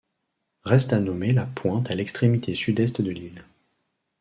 Reste à nommer la pointe à l’extrémité sud-est de l’île